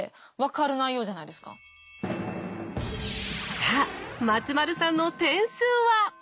さあ松丸さんの点数は？